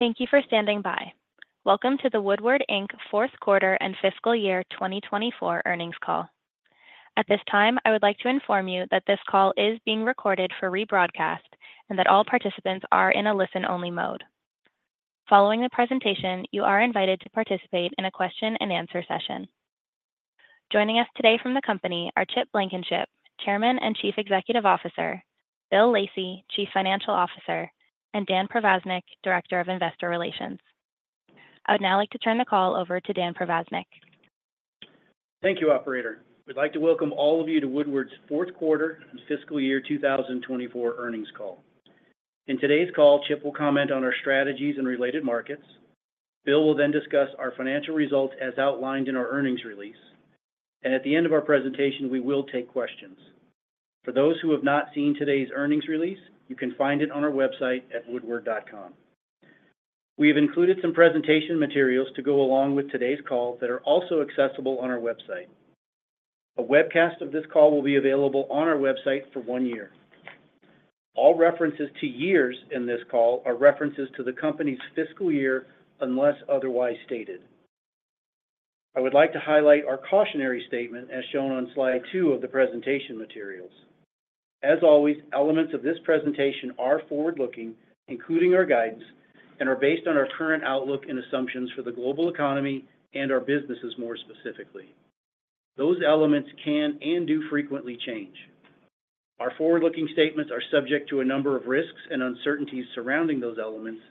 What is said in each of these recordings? Thank you for standing by. Welcome to the Woodward, Inc. Fourth Quarter and Fiscal Year 2024 earnings call. At this time, I would like to inform you that this call is being recorded for rebroadcast and that all participants are in a listen-only mode. Following the presentation, you are invited to participate in a question-and-answer session. Joining us today from the company are Chip Blankenship, Chairman and Chief Executive Officer, Bill Lacey, Chief Financial Officer, and Dan Provaznik, Director of Investor Relations. I would now like to turn the call over to Dan Provaznik. Thank you, Operator. We'd like to welcome all of you to Woodward's Fourth Quarter and Fiscal Year 2024 earnings call. In today's call, Chip will comment on our strategies and related markets. Bill will then discuss our financial results as outlined in our earnings release. And at the end of our presentation, we will take questions. For those who have not seen today's earnings release, you can find it on our website at woodward.com. We have included some presentation materials to go along with today's call that are also accessible on our website. A webcast of this call will be available on our website for one year. All references to years in this call are references to the company's fiscal year unless otherwise stated. I would like to highlight our cautionary statement as shown on slide two of the presentation materials. As always, elements of this presentation are forward-looking, including our guidance, and are based on our current outlook and assumptions for the global economy and our businesses more specifically. Those elements can and do frequently change. Our forward-looking statements are subject to a number of risks and uncertainties surrounding those elements,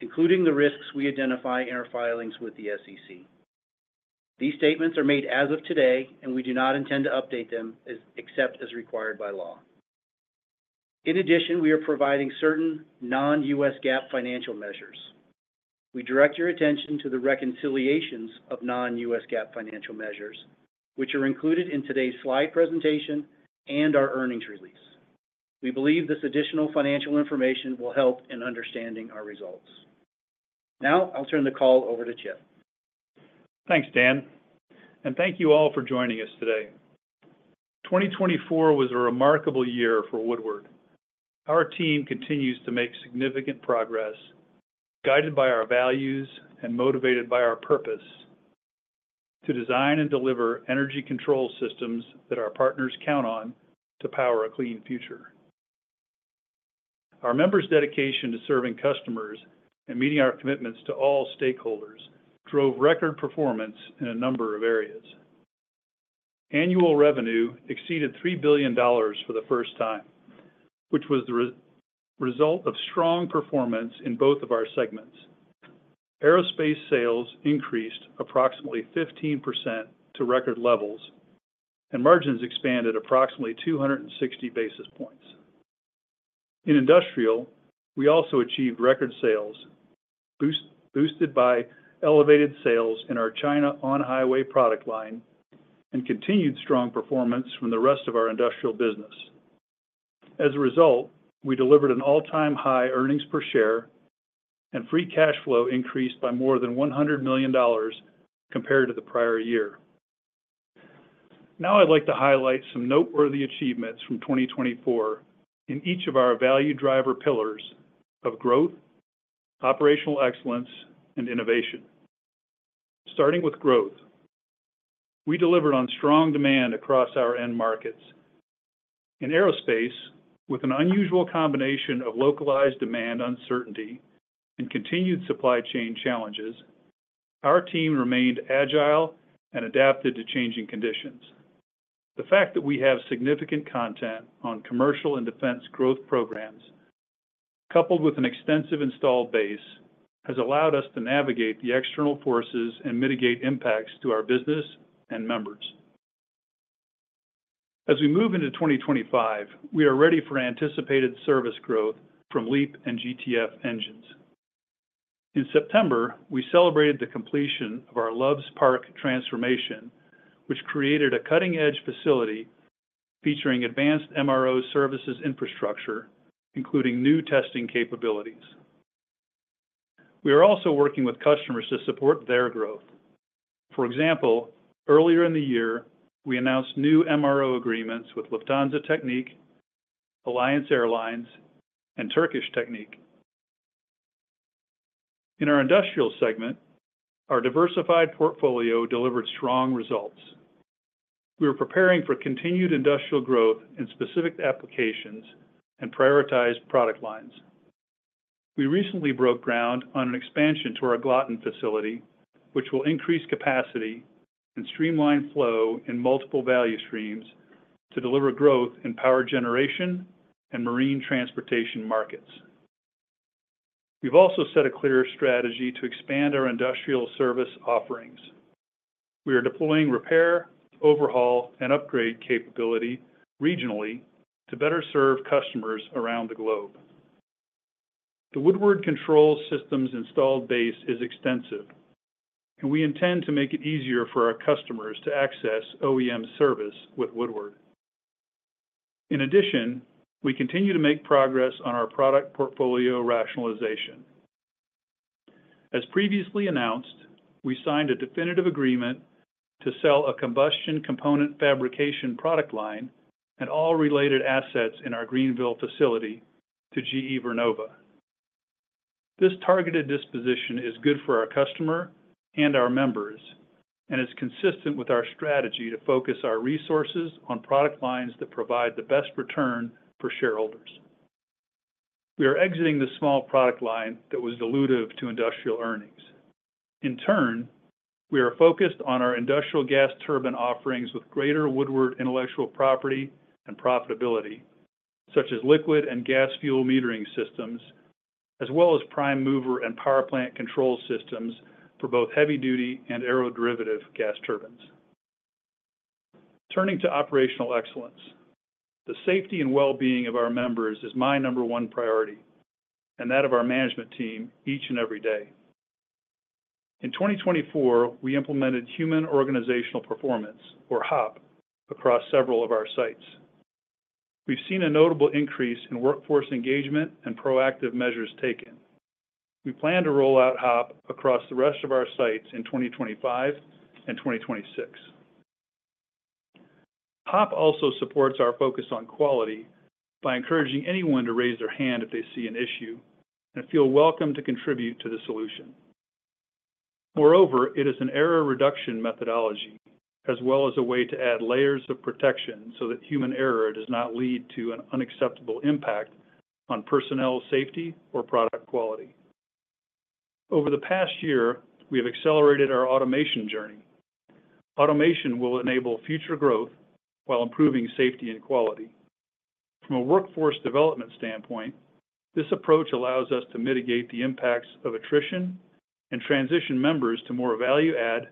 including the risks we identify in our filings with the SEC. These statements are made as of today, and we do not intend to update them except as required by law. In addition, we are providing certain non-GAAP financial measures. We direct your attention to the reconciliations of non-GAAP financial measures, which are included in today's slide presentation and our earnings release. We believe this additional financial information will help in understanding our results. Now, I'll turn the call over to Chip. Thanks, Dan. And thank you all for joining us today. 2024 was a remarkable year for Woodward. Our team continues to make significant progress, guided by our values and motivated by our purpose, to design and deliver energy control systems that our partners count on to power a clean future. Our members' dedication to serving customers and meeting our commitments to all stakeholders drove record performance in a number of areas. Annual revenue exceeded $3 billion for the first time, which was the result of strong performance in both of our segments. Aerospace sales increased approximately 15% to record levels, and margins expanded approximately 260 basis points. In industrial, we also achieved record sales, boosted by elevated sales in our China on-highway product line and continued strong performance from the rest of our industrial business. As a result, we delivered an all-time high earnings per share and free cash flow increased by more than $100 million compared to the prior year. Now, I'd like to highlight some noteworthy achievements from 2024 in each of our value driver pillars of growth, operational excellence, and innovation. Starting with growth, we delivered on strong demand across our end markets. In aerospace, with an unusual combination of localized demand uncertainty and continued supply chain challenges, our team remained agile and adapted to changing conditions. The fact that we have significant content on commercial and defense growth programs, coupled with an extensive installed base, has allowed us to navigate the external forces and mitigate impacts to our business and members. As we move into 2025, we are ready for anticipated service growth from LEAP and GTF engines. In September, we celebrated the completion of our Loves Park transformation, which created a cutting-edge facility featuring advanced MRO services infrastructure, including new testing capabilities. We are also working with customers to support their growth. For example, earlier in the year, we announced new MRO agreements with Lufthansa Technik, Alliance Airlines, and Turkish Technic. In our industrial segment, our diversified portfolio delivered strong results. We are preparing for continued industrial growth in specific applications and prioritized product lines. We recently broke ground on an expansion to our Glatten facility, which will increase capacity and streamline flow in multiple value streams to deliver growth in power generation and marine transportation markets. We've also set a clear strategy to expand our industrial service offerings. We are deploying repair, overhaul, and upgrade capability regionally to better serve customers around the globe. The Woodward Control Systems installed base is extensive, and we intend to make it easier for our customers to access OEM service with Woodward. In addition, we continue to make progress on our product portfolio rationalization. As previously announced, we signed a definitive agreement to sell a combustion component fabrication product line and all related assets in our Greenville facility to GE Vernova. This targeted disposition is good for our customer and our members and is consistent with our strategy to focus our resources on product lines that provide the best return for shareholders. We are exiting the small product line that was dilutive to industrial earnings. In turn, we are focused on our industrial gas turbine offerings with greater Woodward intellectual property and profitability, such as liquid and gas fuel metering systems, as well as prime mover and power plant control systems for both heavy-duty and aeroderivative gas turbines. Turning to operational excellence, the safety and well-being of our members is my number one priority and that of our management team each and every day. In 2024, we implemented Human Organizational Performance, or HOP, across several of our sites. We've seen a notable increase in workforce engagement and proactive measures taken. We plan to roll out HOP across the rest of our sites in 2025 and 2026. HOP also supports our focus on quality by encouraging anyone to raise their hand if they see an issue and feel welcome to contribute to the solution. Moreover, it is an error reduction methodology as well as a way to add layers of protection so that human error does not lead to an unacceptable impact on personnel safety or product quality. Over the past year, we have accelerated our automation journey. Automation will enable future growth while improving safety and quality. From a workforce development standpoint, this approach allows us to mitigate the impacts of attrition and transition members to more value-add,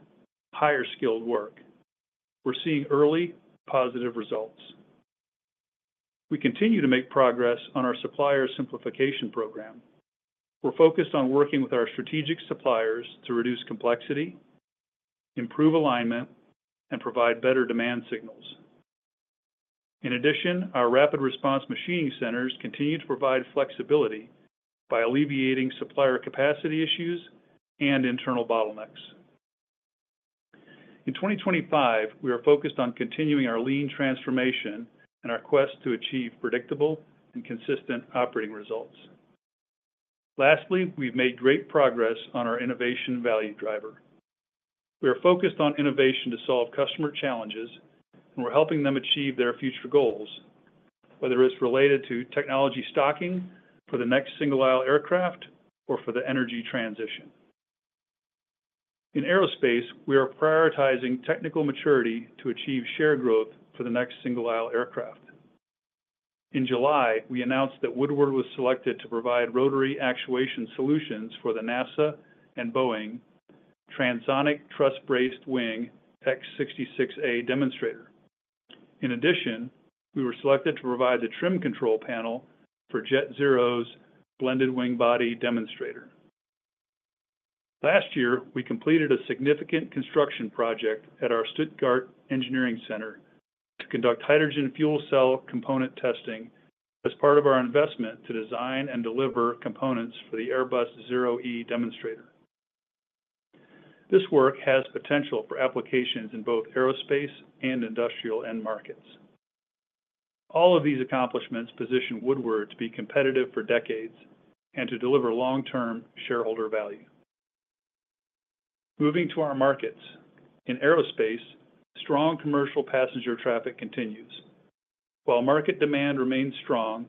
higher-skilled work. We're seeing early positive results. We continue to make progress on our supplier simplification program. We're focused on working with our strategic suppliers to reduce complexity, improve alignment, and provide better demand signals. In addition, our Rapid Response Machining Centers continue to provide flexibility by alleviating supplier capacity issues and internal bottlenecks. In 2025, we are focused on continuing our lean transformation and our quest to achieve predictable and consistent operating results. Lastly, we've made great progress on our innovation value driver. We are focused on innovation to solve customer challenges, and we're helping them achieve their future goals, whether it's related to technology stocking for the next single-aisle aircraft or for the energy transition. In aerospace, we are prioritizing technical maturity to achieve share growth for the next single-aisle aircraft. In July, we announced that Woodward was selected to provide rotary actuation solutions for the NASA and Boeing Transonic Truss-Braced Wing X-66A demonstrator. In addition, we were selected to provide the trim control panel for JetZero's blended wing body demonstrator. Last year, we completed a significant construction project at our Stuttgart Engineering Center to conduct hydrogen fuel cell component testing as part of our investment to design and deliver components for the Airbus ZEROe demonstrator. This work has potential for applications in both aerospace and industrial end markets. All of these accomplishments position Woodward to be competitive for decades and to deliver long-term shareholder value. Moving to our markets, in aerospace, strong commercial passenger traffic continues. While market demand remains strong,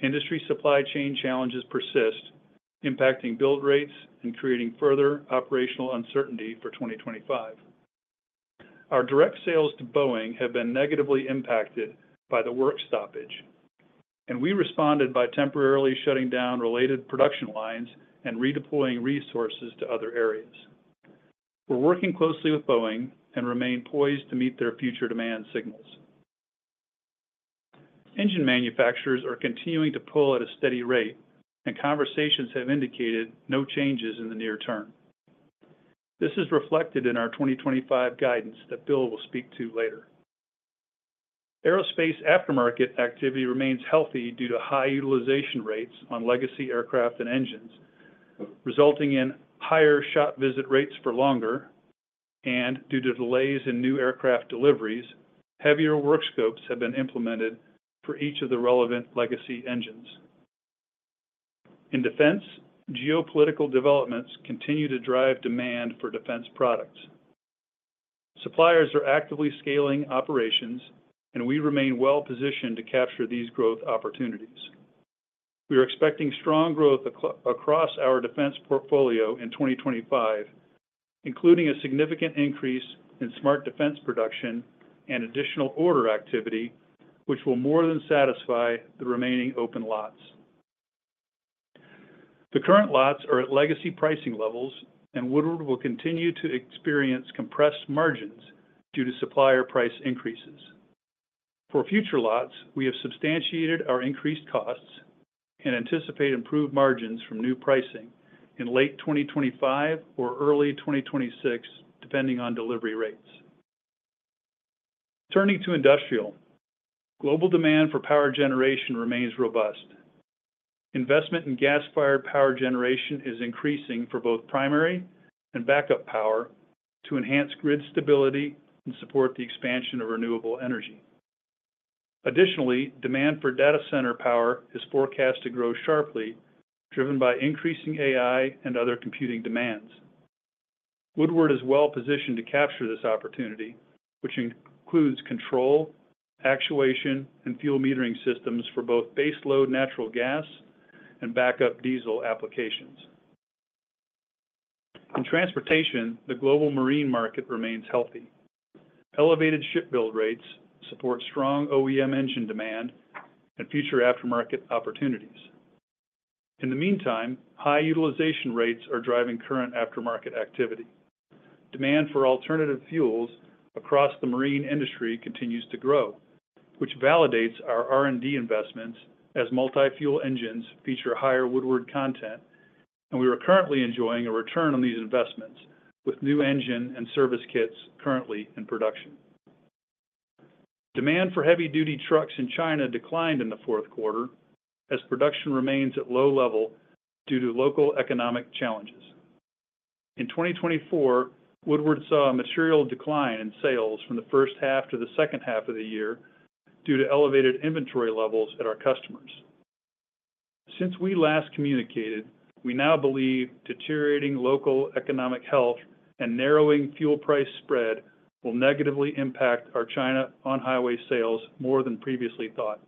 industry supply chain challenges persist, impacting build rates and creating further operational uncertainty for 2025. Our direct sales to Boeing have been negatively impacted by the work stoppage, and we responded by temporarily shutting down related production lines and redeploying resources to other areas. We're working closely with Boeing and remain poised to meet their future demand signals. Engine manufacturers are continuing to pull at a steady rate, and conversations have indicated no changes in the near term. This is reflected in our 2025 guidance that Bill will speak to later. Aerospace aftermarket activity remains healthy due to high utilization rates on legacy aircraft and engines, resulting in higher shop visit rates for longer, and due to delays in new aircraft deliveries, heavier work scopes have been implemented for each of the relevant legacy engines. In defense, geopolitical developments continue to drive demand for defense products. Suppliers are actively scaling operations, and we remain well-positioned to capture these growth opportunities. We are expecting strong growth across our defense portfolio in 2025, including a significant increase in Smart Defense production and additional order activity, which will more than satisfy the remaining open lots. The current lots are at legacy pricing levels, and Woodward will continue to experience compressed margins due to supplier price increases. For future lots, we have substantiated our increased costs and anticipate improved margins from new pricing in late 2025 or early 2026, depending on delivery rates. Turning to industrial, global demand for power generation remains robust. Investment in gas-fired power generation is increasing for both primary and backup power to enhance grid stability and support the expansion of renewable energy. Additionally, demand for data center power is forecast to grow sharply, driven by increasing AI and other computing demands. Woodward is well-positioned to capture this opportunity, which includes control, actuation, and fuel metering systems for both base load natural gas and backup diesel applications. In transportation, the global marine market remains healthy. Elevated shipbuilding rates support strong OEM engine demand and future aftermarket opportunities. In the meantime, high utilization rates are driving current aftermarket activity. Demand for alternative fuels across the marine industry continues to grow, which validates our R&D investments as multi-fuel engines feature higher Woodward content, and we are currently enjoying a return on these investments with new engine and service kits currently in production. Demand for heavy-duty trucks in China declined in the fourth quarter as production remains at low level due to local economic challenges. In 2024, Woodward saw a material decline in sales from the first half to the second half of the year due to elevated inventory levels at our customers. Since we last communicated, we now believe deteriorating local economic health and narrowing fuel price spread will negatively impact our China on-highway sales more than previously thought.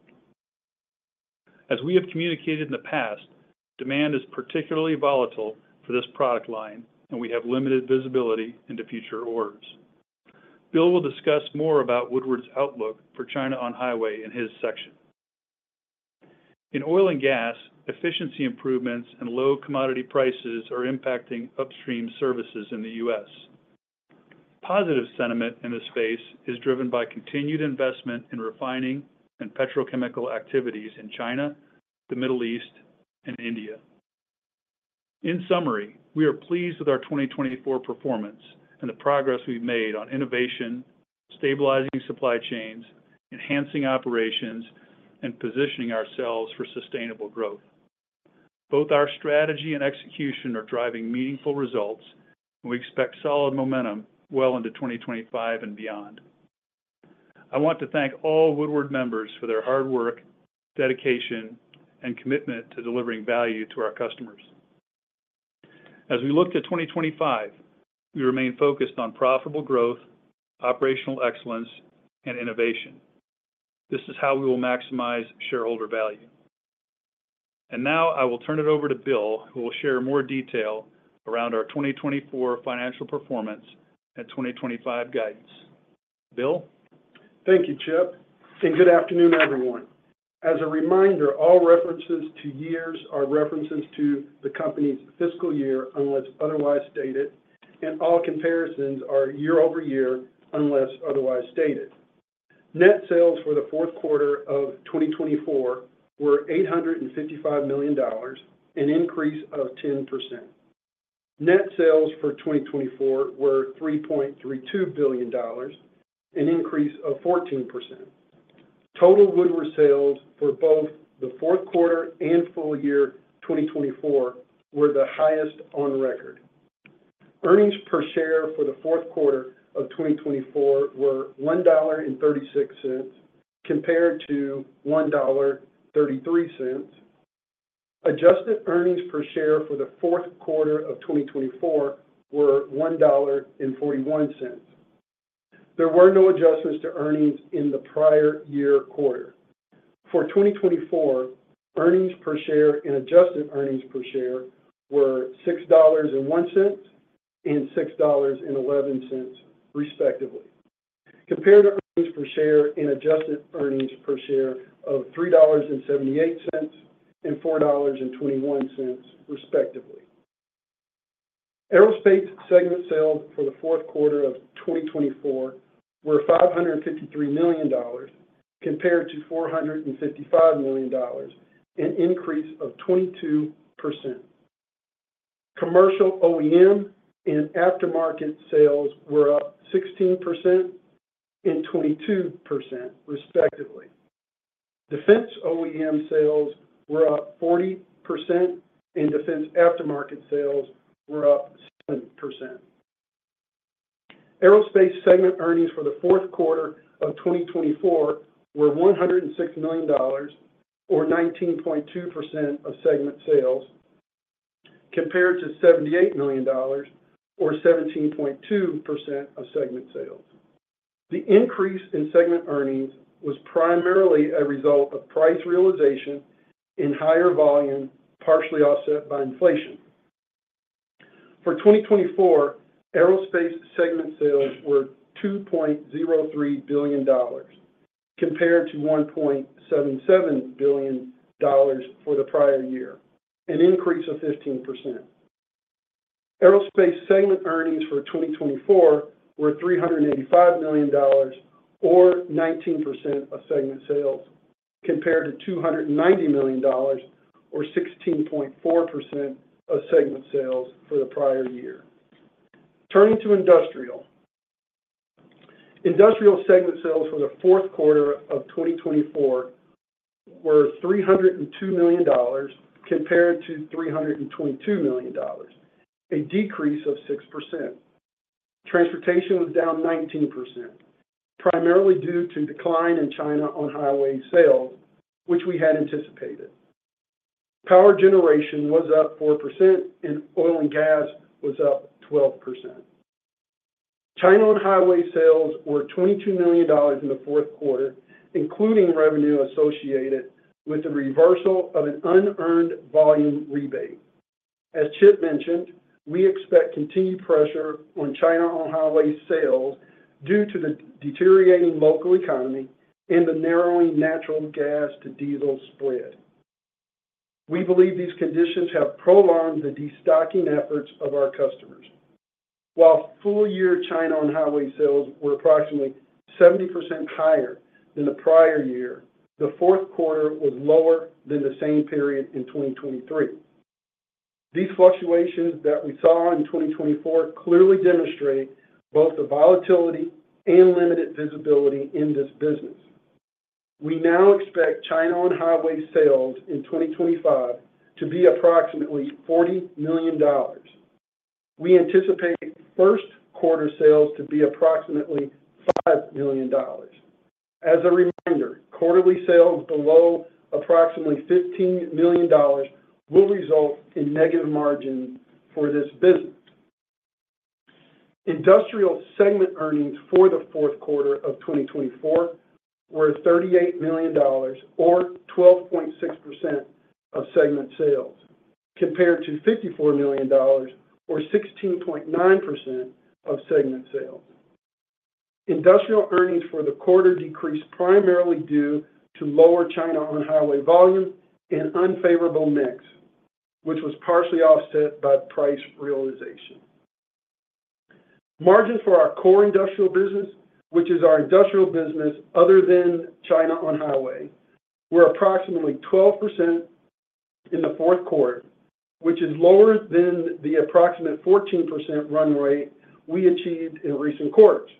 As we have communicated in the past, demand is particularly volatile for this product line, and we have limited visibility into future orders. Bill will discuss more about Woodward's outlook for China on-highway in his section. In oil and gas, efficiency improvements and low commodity prices are impacting upstream services in the U.S. Positive sentiment in this space is driven by continued investment in refining and petrochemical activities in China, the Middle East, and India. In summary, we are pleased with our 2024 performance and the progress we've made on innovation, stabilizing supply chains, enhancing operations, and positioning ourselves for sustainable growth. Both our strategy and execution are driving meaningful results, and we expect solid momentum well into 2025 and beyond. I want to thank all Woodward members for their hard work, dedication, and commitment to delivering value to our customers. As we look to 2025, we remain focused on profitable growth, operational excellence, and innovation. This is how we will maximize shareholder value. And now I will turn it over to Bill, who will share more detail around our 2024 financial performance and 2025 guidance. Bill? Thank you, Chip. And good afternoon, everyone. As a reminder, all references to years are references to the company's fiscal year unless otherwise stated, and all comparisons are year-over-year unless otherwise stated. Net sales for the fourth quarter of 2024 were $855 million, an increase of 10%. Net sales for 2024 were $3.32 billion, an increase of 14%. Total Woodward sales for both the fourth quarter and full year 2024 were the highest on record. Earnings per share for the fourth quarter of 2024 were $1.36 compared to $1.33. Adjusted earnings per share for the fourth quarter of 2024 were $1.41. There were no adjustments to earnings in the prior year quarter. For 2024, earnings per share and adjusted earnings per share were $6.01 and $6.11, respectively, compared to earnings per share and adjusted earnings per share of $3.78 and $4.21, respectively. Aerospace segment sales for the fourth quarter of 2024 were $553 million compared to $455 million, an increase of 22%. Commercial OEM and aftermarket sales were up 16% and 22%, respectively. Defense OEM sales were up 40%, and defense aftermarket sales were up 7%. Aerospace segment earnings for the fourth quarter of 2024 were $106 million, or 19.2% of segment sales, compared to $78 million, or 17.2% of segment sales. The increase in segment earnings was primarily a result of price realization and higher volume, partially offset by inflation. For 2024, aerospace segment sales were $2.03 billion, compared to $1.77 billion for the prior year, an increase of 15%. Aerospace segment earnings for 2024 were $385 million, or 19% of segment sales, compared to $290 million, or 16.4% of segment sales for the prior year. Turning to industrial, industrial segment sales for the fourth quarter of 2024 were $302 million compared to $322 million, a decrease of 6%. Transportation was down 19%, primarily due to decline in China on-highway sales, which we had anticipated. Power generation was up 4%, and oil and gas was up 12%. China on-highway sales were $22 million in the fourth quarter, including revenue associated with the reversal of an unearned volume rebate. As Chip mentioned, we expect continued pressure on China on-highway sales due to the deteriorating local economy and the narrowing natural gas to diesel spread. We believe these conditions have prolonged the destocking efforts of our customers. While full-year China on-highway sales were approximately 70% higher than the prior year, the fourth quarter was lower than the same period in 2023. These fluctuations that we saw in 2024 clearly demonstrate both the volatility and limited visibility in this business. We now expect China on-highway sales in 2025 to be approximately $40 million. We anticipate first quarter sales to be approximately $5 million. As a reminder, quarterly sales below approximately $15 million will result in negative margins for this business. Industrial segment earnings for the fourth quarter of 2024 were $38 million, or 12.6% of segment sales, compared to $54 million, or 16.9% of segment sales. Industrial earnings for the quarter decreased primarily due to lower China on-highway volume and unfavorable mix, which was partially offset by price realization. Margins for our core industrial business, which is our industrial business other than China on-highway, were approximately 12% in the fourth quarter, which is lower than the approximate 14% run rate we achieved in recent quarters.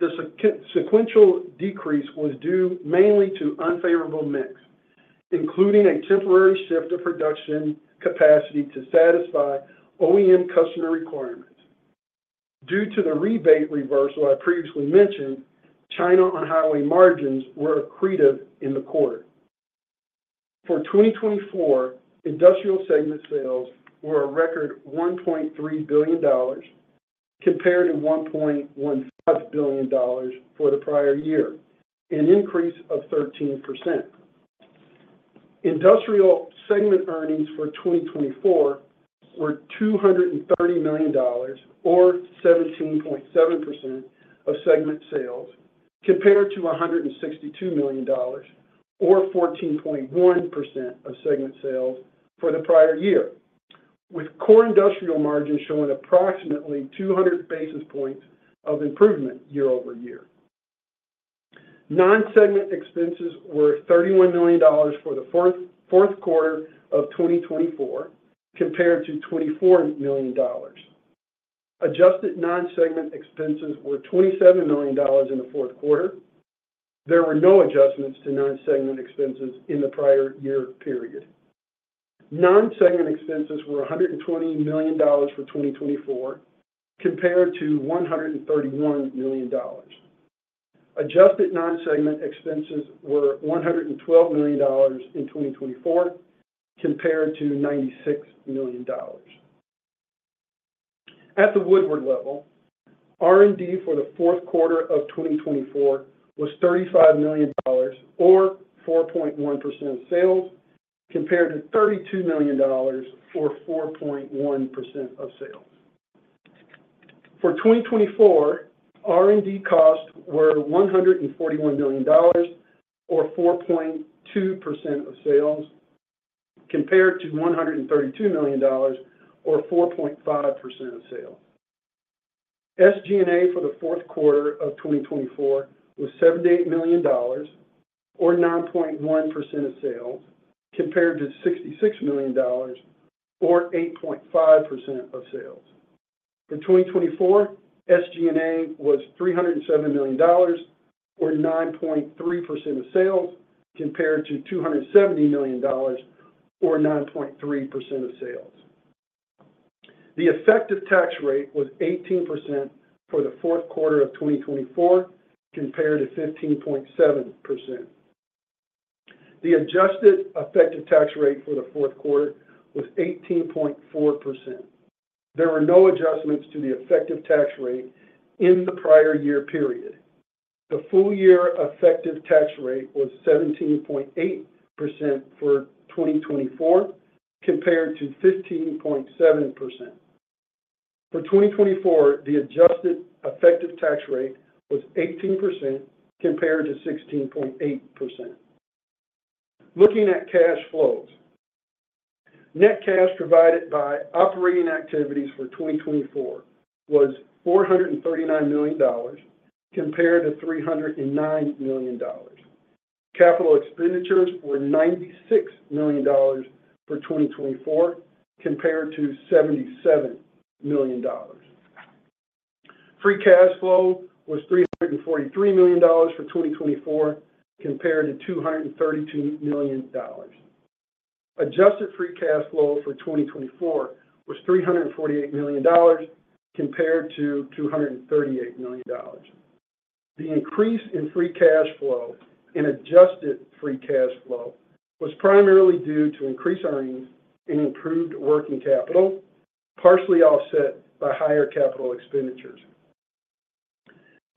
The sequential decrease was due mainly to unfavorable mix, including a temporary shift of production capacity to satisfy OEM customer requirements. Due to the rebate reversal I previously mentioned, China on-highway margins were accretive in the quarter. For 2024, industrial segment sales were a record $1.3 billion, compared to $1.15 billion for the prior year, an increase of 13%. Industrial segment earnings for 2024 were $230 million, or 17.7% of segment sales, compared to $162 million, or 14.1% of segment sales for the prior year, with core industrial margins showing approximately 200 basis points of improvement year-over-year. Non-segment expenses were $31 million for the fourth quarter of 2024, compared to $24 million. Adjusted non-segment expenses were $27 million in the fourth quarter. There were no adjustments to non-segment expenses in the prior year period. Non-segment expenses were $120 million for 2024, compared to $131 million. Adjusted non-segment expenses were $112 million in 2024, compared to $96 million. At the Woodward level, R&D for the fourth quarter of 2024 was $35 million, or 4.1% of sales, compared to $32 million, or 4.1% of sales. For 2024, R&D costs were $141 million, or 4.2% of sales, compared to $132 million, or 4.5% of sales. SG&A for the fourth quarter of 2024 was $78 million, or 9.1% of sales, compared to $66 million, or 8.5% of sales. For 2024, SG&A was $307 million, or 9.3% of sales, compared to $270 million, or 9.3% of sales. The effective tax rate was 18% for the fourth quarter of 2024, compared to 15.7%. The adjusted effective tax rate for the fourth quarter was 18.4%. There were no adjustments to the effective tax rate in the prior year period. The full-year effective tax rate was 17.8% for 2024, compared to 15.7%. For 2024, the adjusted effective tax rate was 18%, compared to 16.8%. Looking at cash flows, net cash provided by operating activities for 2024 was $439 million, compared to $309 million. Capital expenditures were $96 million for 2024, compared to $77 million. Free cash flow was $343 million for 2024, compared to $232 million. Adjusted free cash flow for 2024 was $348 million, compared to $238 million. The increase in free cash flow and adjusted free cash flow was primarily due to increased earnings and improved working capital, partially offset by higher capital expenditures.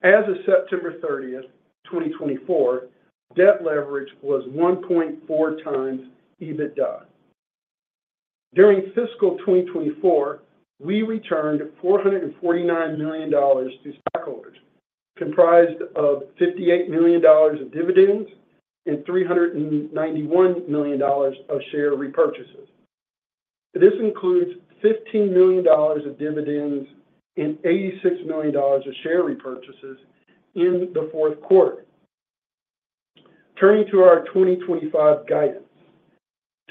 As of September 30, 2024, debt leverage was 1.4 times EBITDA. During fiscal 2024, we returned $449 million to stakeholders, comprised of $58 million of dividends and $391 million of share repurchases. This includes $15 million of dividends and $86 million of share repurchases in the fourth quarter. Turning to our 2025 guidance,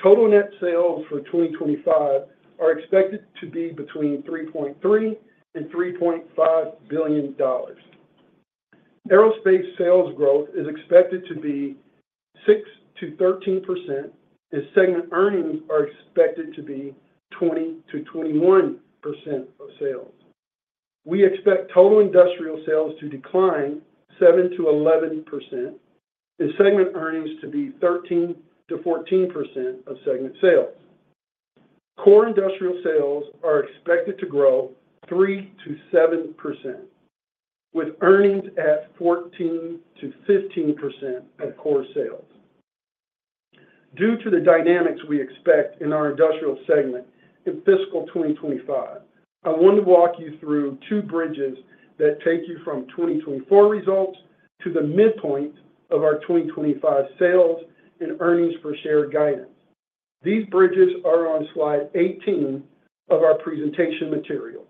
total net sales for 2025 are expected to be between $3.3 billion and $3.5 billion. Aerospace sales growth is expected to be 6%-13%, and segment earnings are expected to be 20%-21% of sales. We expect total industrial sales to decline 7%-11%, and segment earnings to be 13%-14% of segment sales. Core industrial sales are expected to grow 3%-7%, with earnings at 14%-15% of core sales. Due to the dynamics we expect in our industrial segment in fiscal 2025, I want to walk you through two bridges that take you from 2024 results to the midpoint of our 2025 sales and earnings per share guidance. These bridges are on slide 18 of our presentation materials.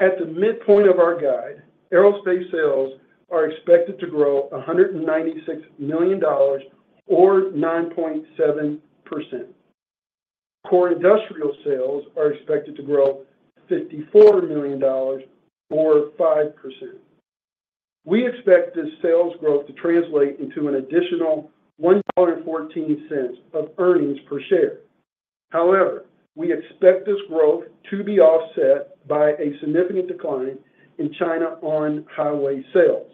At the midpoint of our guide, aerospace sales are expected to grow $196 million, or 9.7%. Core industrial sales are expected to grow $54 million, or 5%. We expect this sales growth to translate into an additional $1.14 of earnings per share. However, we expect this growth to be offset by a significant decline in China on-highway sales.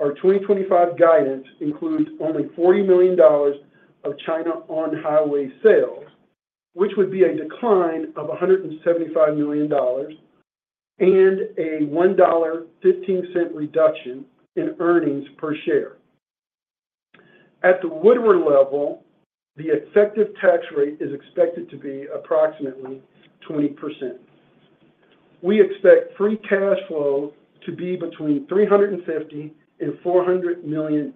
Our 2025 guidance includes only $40 million of China on-highway sales, which would be a decline of $175 million and a $1.15 reduction in earnings per share. At the Woodward level, the effective tax rate is expected to be approximately 20%. We expect free cash flow to be between $350 and $400 million.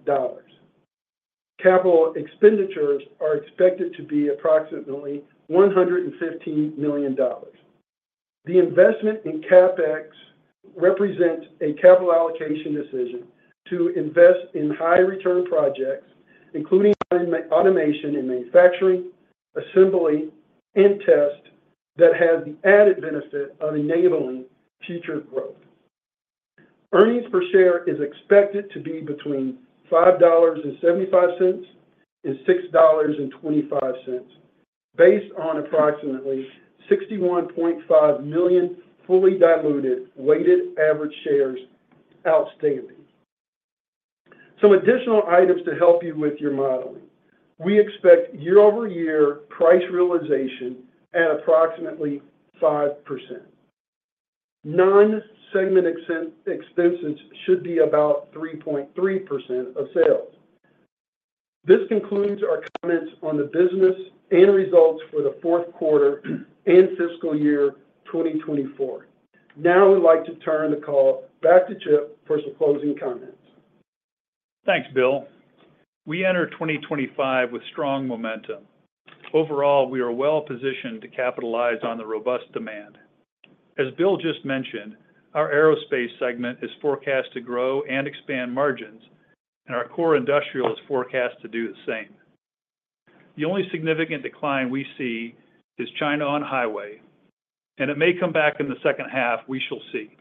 Capital expenditures are expected to be approximately $115 million. The investment in CapEx represents a capital allocation decision to invest in high-return projects, including automation and manufacturing, assembly, and test that has the added benefit of enabling future growth. Earnings per share is expected to be between $5.75 and $6.25, based on approximately 61.5 million fully diluted weighted average shares outstanding. Some additional items to help you with your modeling. We expect year-over-year price realization at approximately 5%. Non-segment expenses should be about 3.3% of sales. This concludes our comments on the business and results for the fourth quarter and fiscal year 2024. Now we'd like to turn the call back to Chip for some closing comments. Thanks, Bill. We enter 2025 with strong momentum. Overall, we are well-positioned to capitalize on the robust demand. As Bill just mentioned, our aerospace segment is forecast to grow and expand margins, and our core industrial is forecast to do the same. The only significant decline we see is China on-highway, and it may come back in the second half. We shall see.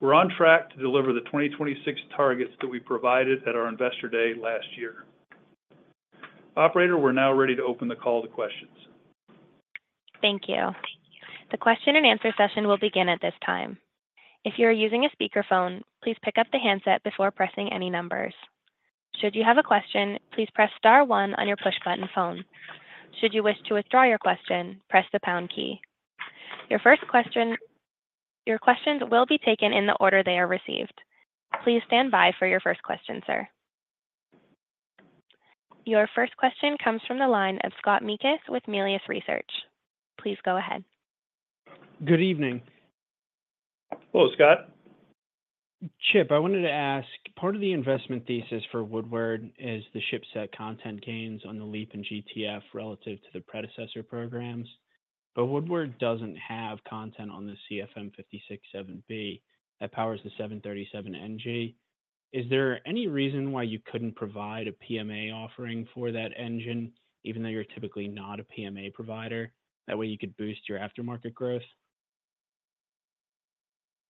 We're on track to deliver the 2026 targets that we provided at our investor day last year. Operator, we're now ready to open the call to questions. Thank you. The question-and-answer session will begin at this time. If you are using a speakerphone, please pick up the handset before pressing any numbers. Should you have a question, please press star one on your push-button phone. Should you wish to withdraw your question, press the pound key. Your questions will be taken in the order they are received. Please stand by for your first question, sir. Your first question comes from the line of Scott Mikus with Melius Research. Please go ahead. Good evening. Hello, Scott. Chip, I wanted to ask, part of the investment thesis for Woodward is the chipset content gains on the LEAP and GTF relative to the predecessor programs, but Woodward doesn't have content on the CFM56-7B that powers the 737NG. Is there any reason why you couldn't provide a PMA offering for that engine, even though you're typically not a PMA provider? That way, you could boost your aftermarket growth.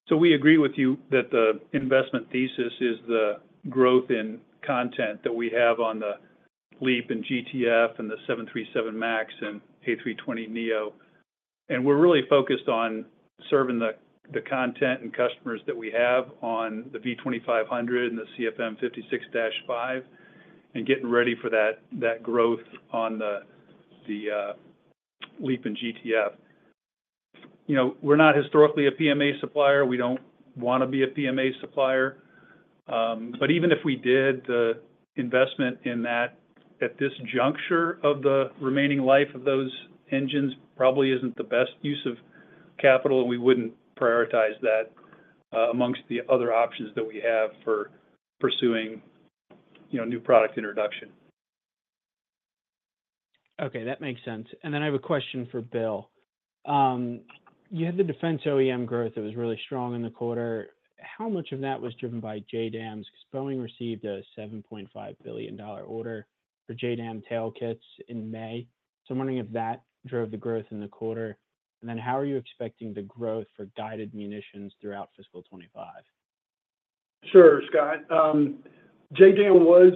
So we agree with you that the investment thesis is the growth in content that we have on the LEAP and GTF and the 737 MAX and A320neo. And we're really focused on serving the content and customers that we have on the V2500 and the CFM56-5 and getting ready for that growth on the LEAP and GTF. We're not historically a PMA supplier. We don't want to be a PMA supplier. But even if we did, the investment in that at this juncture of the remaining life of those engines probably isn't the best use of capital, and we wouldn't prioritize that amongst the other options that we have for pursuing new product introduction. Okay, that makes sense. And then I have a question for Bill. You had the defense OEM growth that was really strong in the quarter. How much of that was driven by JDAMs? Because Boeing received a $7.5 billion order for JDAM tail kits in May. So I'm wondering if that drove the growth in the quarter. And then how are you expecting the growth for guided munitions throughout fiscal 25? Sure, Scott. JDAM was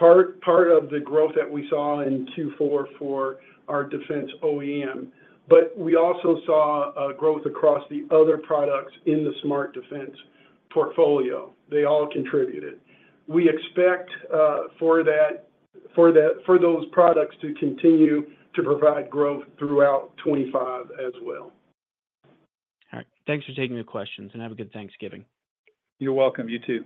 part of the growth that we saw in Q4 for our defense OEM, but we also saw growth across the other products in the smart defense portfolio. They all contributed. We expect for those products to continue to provide growth throughout 25 as well. All right. Thanks for taking the questions, and have a good Thanksgiving. You're welcome. You too.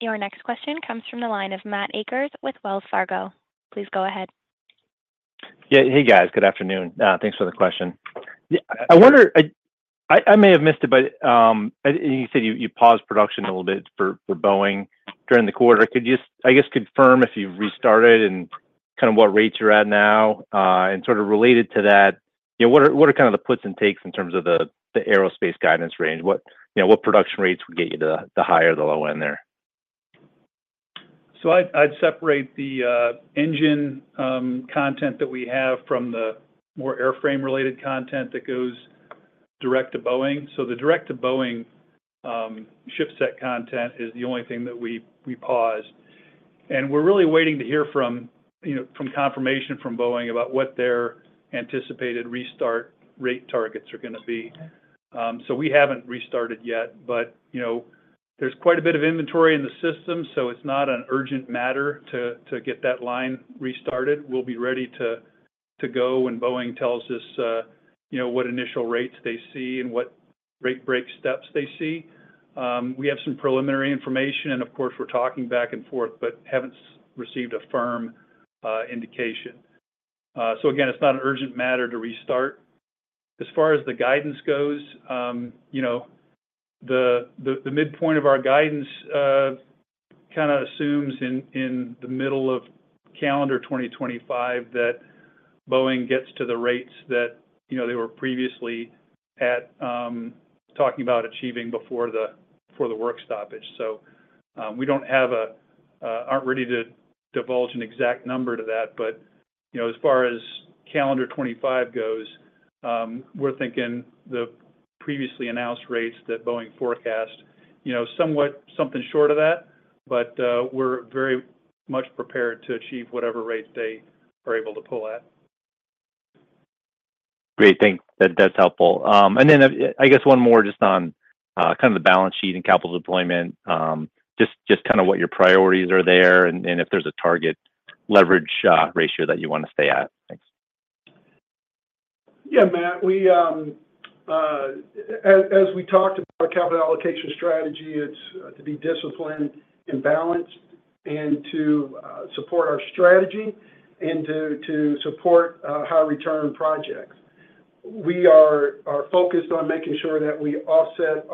Your next question comes from the line of Matt Akers with Wells Fargo. Please go ahead. Yeah. Hey, guys. Good afternoon. Thanks for the question. I may have missed it, but you said you paused production a little bit for Boeing during the quarter. Could you, I guess, confirm if you've restarted and kind of what rates you're at now? And sort of related to that, what are kind of the puts and takes in terms of the aerospace guidance range? What production rates would get you to the high or the low end there? So I'd separate the engine content that we have from the more airframe-related content that goes direct to Boeing. So the direct to Boeing chipset content is the only thing that we paused. And we're really waiting to hear from confirmation from Boeing about what their anticipated restart rate targets are going to be. So we haven't restarted yet, but there's quite a bit of inventory in the system, so it's not an urgent matter to get that line restarted. We'll be ready to go when Boeing tells us what initial rates they see and what rate break steps they see. We have some preliminary information, and of course, we're talking back and forth, but haven't received a firm indication. So again, it's not an urgent matter to restart. As far as the guidance goes, the midpoint of our guidance kind of assumes in the middle of calendar 2025 that Boeing gets to the rates that they were previously talking about achieving before the work stoppage. So we aren't ready to divulge an exact number to that, but as far as calendar 25 goes, we're thinking the previously announced rates that Boeing forecast, somewhat something short of that, but we're very much prepared to achieve whatever rate they are able to pull at. Great. Thanks. That's helpful. And then I guess one more just on kind of the balance sheet and capital deployment, just kind of what your priorities are there and if there's a target leverage ratio that you want to stay at. Thanks. Yeah, Matt. As we talked about our capital allocation strategy, it's to be disciplined and balanced and to support our strategy and to support high-return projects. We are focused on making sure that we offset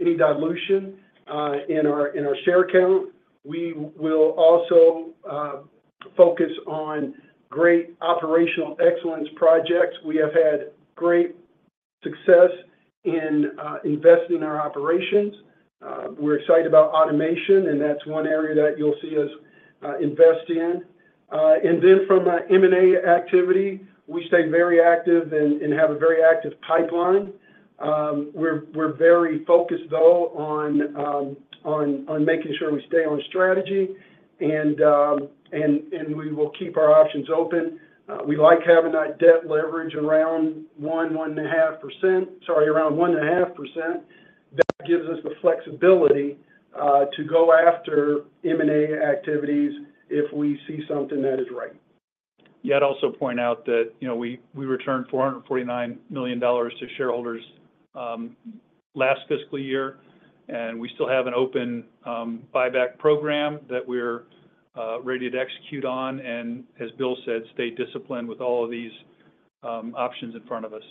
any dilution in our share count. We will also focus on great operational excellence projects. We have had great success in investing in our operations. We're excited about automation, and that's one area that you'll see us invest in. And then from an M&A activity, we stay very active and have a very active pipeline. We're very focused, though, on making sure we stay on strategy, and we will keep our options open. We like having that debt leverage around 1%-1.5%. Sorry, around 1.5%. That gives us the flexibility to go after M&A activities if we see something that is right. Yeah, I'd also point out that we returned $449 million to shareholders last fiscal year, and we still have an open buyback program that we're ready to execute on and, as Bill said, stay disciplined with all of these options in front of us.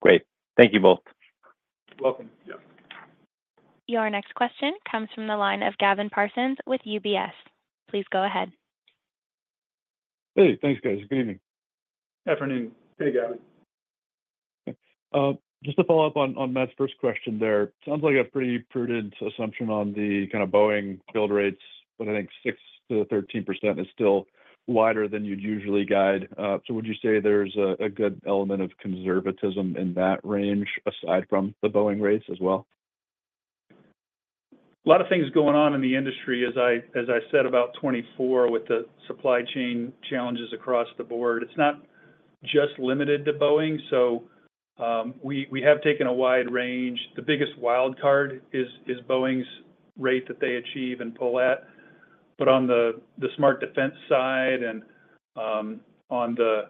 Great. Thank you both. You're welcome. Yeah. Your next question comes from the line of Gavin Parsons with UBS. Please go ahead. Hey, thanks, guys. Good evening. Good afternoon. Hey, Gavin. Just to follow up on Matt's first question there, it sounds like a pretty prudent assumption on the kind of Boeing build rates, but I think 6%-13% is still wider than you'd usually guide. So would you say there's a good element of conservatism in that range aside from the Boeing rates as well? A lot of things going on in the industry, as I said, about 2024 with the supply chain challenges across the board. It's not just limited to Boeing. So we have taken a wide range. The biggest wildcard is Boeing's rate that they achieve and pull at. But on the Smart Defense side and on the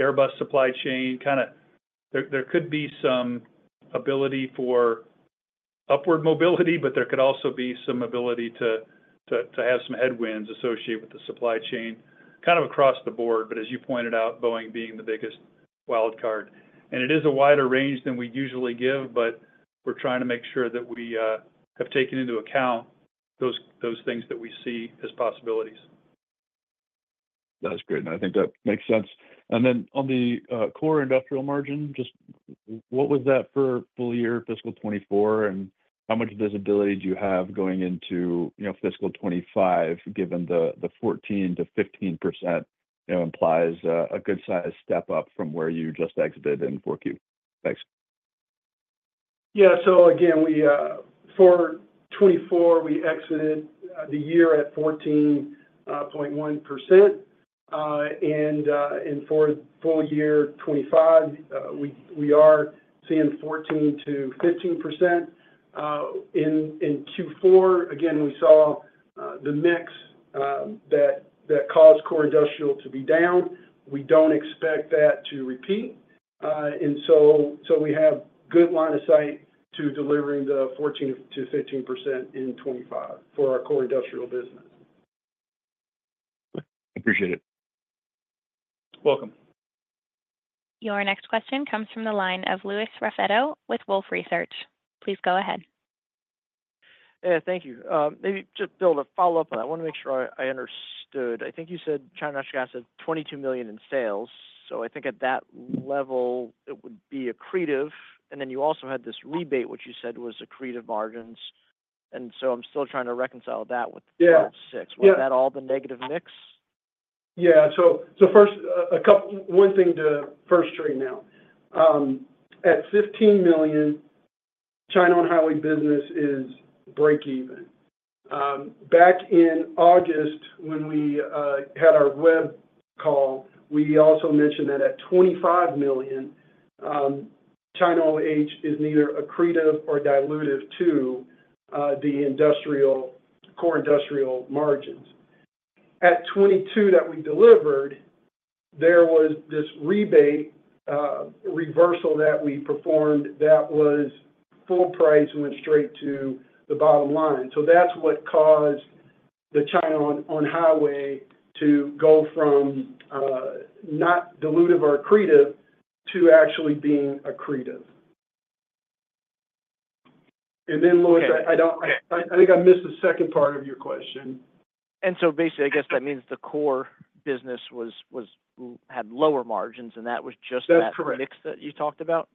Airbus supply chain, kind of there could be some ability for upward mobility, but there could also be some ability to have some headwinds associated with the supply chain kind of across the board. But as you pointed out, Boeing being the biggest wildcard. And it is a wider range than we usually give, but we're trying to make sure that we have taken into account those things that we see as possibilities. That's great. And I think that makes sense. And then on the core industrial margin, just what was that for full year, fiscal 2024? And how much visibility do you have going into fiscal 2025, given the 14%-15% implies a good-sized step up from where you just exited in 4Q? Thanks. Yeah. So again, for 2024, we exited the year at 14.1%. And for full year 2025, we are seeing 14%-15%. In Q4, again, we saw the mix that caused core industrial to be down. We don't expect that to repeat. And so we have a good line of sight to delivering the 14%-15% in 2025 for our core industrial business. Appreciate it. Welcome. Your next question comes from the line of Louis Raffetto with Wolfe Research. Please go ahead. Thank you. Maybe just Bill, to follow up on that, I want to make sure I understood. I think you said China on natural gas had $22 million in sales. I think at that level, it would be accretive. Then you also had this rebate, which you said was accretive margins. I'm still trying to reconcile that with 12.6%. Was that all the negative mix? Yeah. First things first, to straighten out. At $15 million, China on highway business is break-even. Back in August, when we had our web call, we also mentioned that at $25 million, China on highway is neither accretive nor dilutive to the core industrial margins. At $22 million that we delivered, there was this rebate reversal that we performed that was full price and went straight to the bottom line. So that's what caused the China on highway to go from not dilutive or accretive to actually being accretive. And then, Louis, I think I missed the second part of your question. And so basically, I guess that means the core business had lower margins, and that was just that mix that you talked about?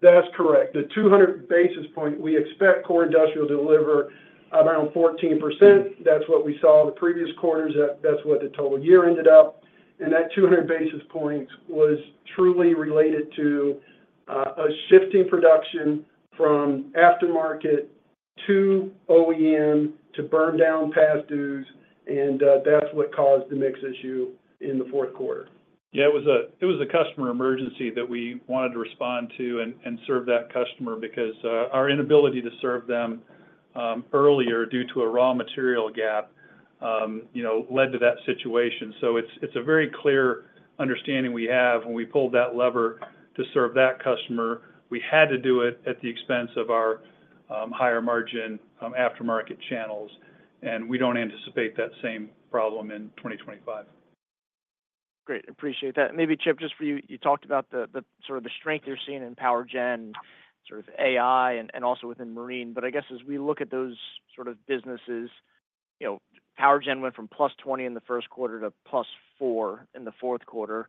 That's correct. The 200 basis points, we expect core industrial to deliver around 14%. That's what we saw the previous quarters. That's what the total year ended up. And that 200 basis points was truly related to a shifting production from aftermarket to OEM to burn down past dues, and that's what caused the mix issue in the fourth quarter. Yeah, it was a customer emergency that we wanted to respond to and serve that customer because our inability to serve them earlier due to a raw material gap led to that situation. It’s a very clear understanding we have when we pulled that lever to serve that customer. We had to do it at the expense of our higher margin aftermarket channels, and we don’t anticipate that same problem in 2025. Great. Appreciate that. And maybe, Chip, just for you, you talked about sort of the strength you’re seeing in PowerGen, sort of AI, and also within Marine. But I guess as we look at those sort of businesses, PowerGen went from +20% in the first quarter to +4% in the fourth quarter.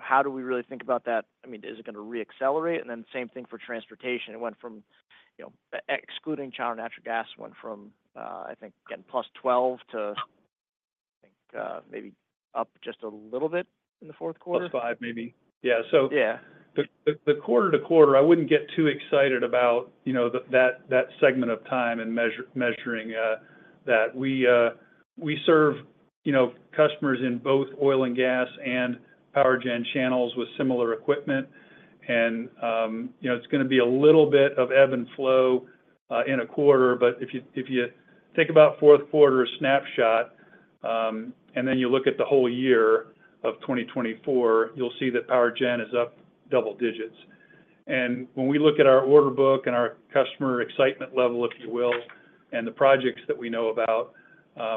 How do we really think about that? I mean, is it going to reaccelerate? And then same thing for transportation. It went from excluding China on natural gas, went from, I think, getting +12% to maybe up just a little bit in the fourth quarter. +5%, maybe. Yeah. So the quarter to quarter, I wouldn't get too excited about that segment of time and measuring that. We serve customers in both oil and gas and PowerGen channels with similar equipment. And it's going to be a little bit of ebb and flow in a quarter, but if you think about fourth quarter snapshot and then you look at the whole year of 2024, you'll see that PowerGen is up double digits. And when we look at our order book and our customer excitement level, if you will, and the projects that we know about,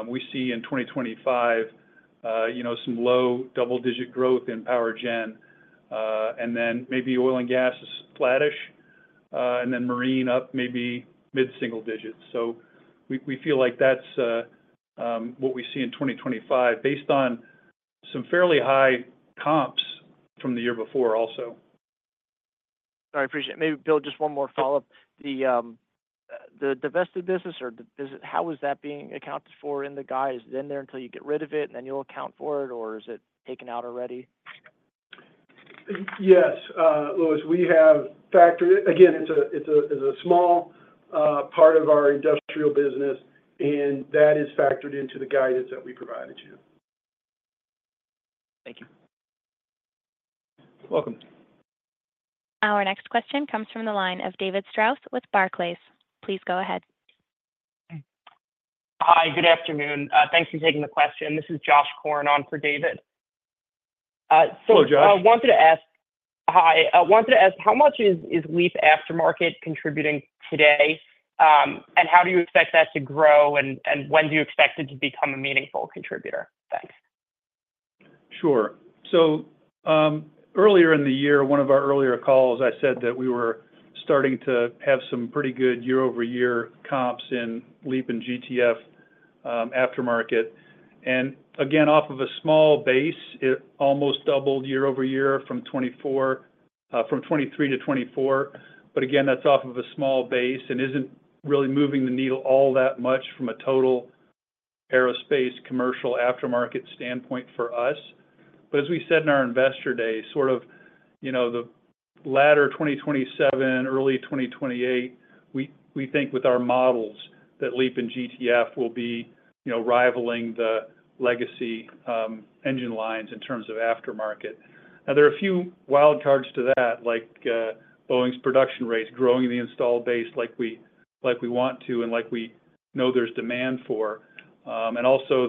we see in 2025 some low double-digit growth in PowerGen, and then maybe oil and gas is flattish, and then Marine up maybe mid-single digits. So we feel like that's what we see in 2025 based on some fairly high comps from the year before also. I appreciate it. Maybe, Bill, just one more follow-up. The divested business, or how is that being accounted for in the guidance? Is it in there until you get rid of it, and then you'll account for it, or is it taken out already? Yes. Louis, we have factored it. Again, it's a small part of our industrial business, and that is factored into the guidance that we provided you. Thank you. Welcome. Our next question comes from the line of David Strauss with Barclays. Please go ahead. Hi. Good afternoon. Thanks for taking the question. This is Josh Korn on for David. Hello, Josh. So I wanted to ask, how much is LEAP aftermarket contributing today, and how do you expect that to grow, and when do you expect it to become a meaningful contributor? Thanks. Sure. Earlier in the year, one of our earlier calls, I said that we were starting to have some pretty good year-over-year comps in LEAP and GTF aftermarket. Again, off of a small base, it almost doubled year-over-year from 2023–2024. Again, that's off of a small base and isn't really moving the needle all that much from a total aerospace commercial aftermarket standpoint for us. As we said in our investor day, sort of the latter 2027, early 2028, we think with our models that LEAP and GTF will be rivaling the legacy engine lines in terms of aftermarket. Now, there are a few wildcards to that, like Boeing's production rates growing the installed base like we want to and like we know there's demand for. And also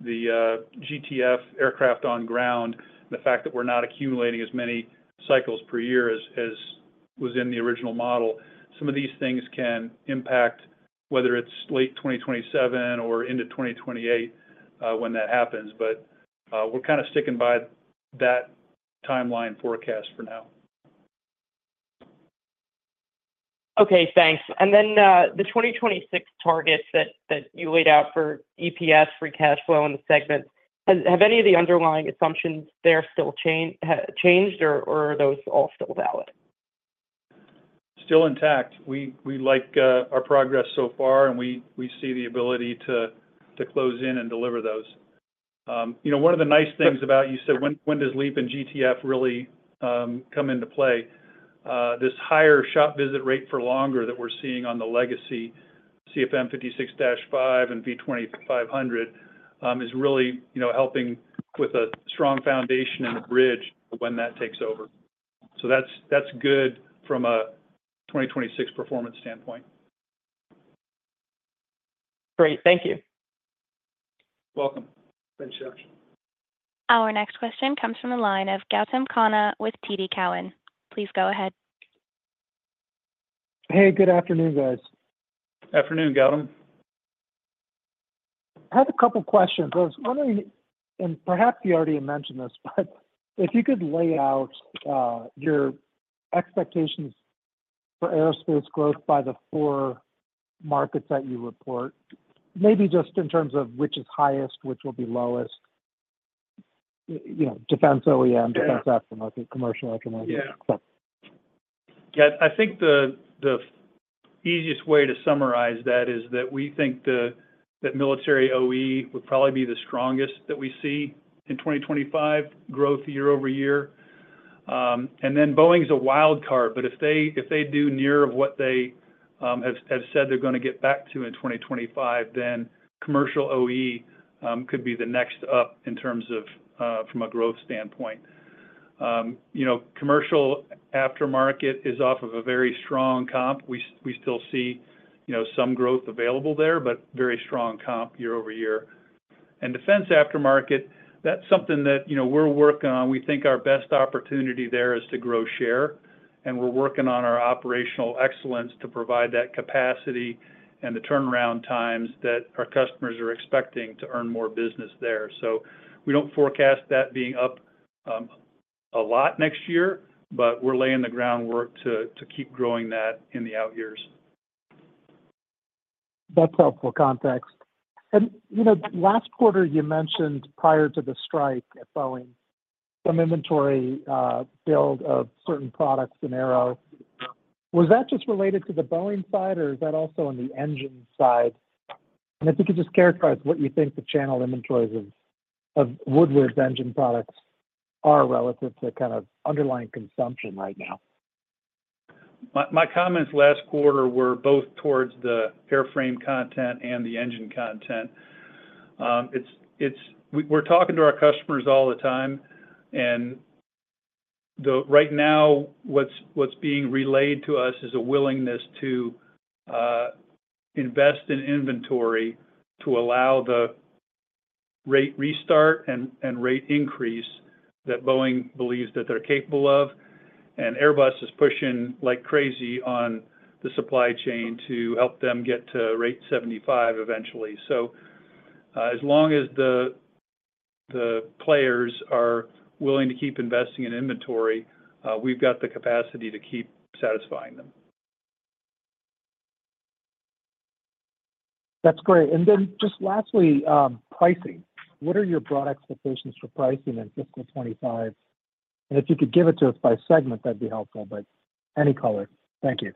the GTF aircraft on ground, the fact that we're not accumulating as many cycles per year as was in the original model, some of these things can impact whether it's late 2027 or into 2028 when that happens. But we're kind of sticking by that timeline forecast for now. Okay. Thanks. And then the 2026 targets that you laid out for EPS, free cash flow, and the segments, have any of the underlying assumptions there still changed, or are those all still valid? Still intact. We like our progress so far, and we see the ability to close in and deliver those. One of the nice things about, you said, when does LEAP and GTF really come into play? This higher shop visit rate for longer that we're seeing on the legacy CFM56-5 and V2500 is really helping with a strong foundation and a bridge when that takes over. So that's good from a 2026 performance standpoint. Great. Thank you. Welcome. Thanks, Josh. Our next question comes from the line of Gautam Khanna with TD Cowen. Please go ahead. Hey, good afternoon, guys. Afternoon, Gautam. I have a couple of questions. I was wondering, and perhaps you already mentioned this, but if you could lay out your expectations for aerospace growth by the four markets that you report, maybe just in terms of which is highest, which will be lowest, defense OEM, defense aftermarket, commercial aftermarket, etc. Yeah. I think the easiest way to summarize that is that we think that military OE would probably be the strongest that we see in 2025, growth year-over-year. And then Boeing's a wildcard, but if they do anywhere near what they have said they're going to get back to in 2025, then commercial OE could be the next up in terms of from a growth standpoint. Commercial aftermarket is off of a very strong comp. We still see some growth available there, but very strong comp year-over-year. And defense aftermarket, that's something that we're working on. We think our best opportunity there is to grow share, and we're working on our operational excellence to provide that capacity and the turnaround times that our customers are expecting to earn more business there. So we don't forecast that being up a lot next year, but we're laying the groundwork to keep growing that in the out years. That's helpful context. Last quarter, you mentioned prior to the strike at Boeing, some inventory build of certain products in aero. Was that just related to the Boeing side, or is that also on the engine side? And if you could just characterize what you think the channel inventories of Woodward's engine products are relative to kind of underlying consumption right now. My comments last quarter were both towards the airframe content and the engine content. We're talking to our customers all the time, and right now, what's being relayed to us is a willingness to invest in inventory to allow the rate restart and rate increase that Boeing believes that they're capable of. And Airbus is pushing like crazy on the supply chain to help them get to rate 75 eventually. As long as the players are willing to keep investing in inventory, we've got the capacity to keep satisfying them. That's great. And then just lastly, pricing. What are your broad expectations for pricing in fiscal 2025? And if you could give it to us by segment, that'd be helpful, but any color. Thank you.